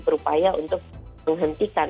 berupaya untuk menghentikan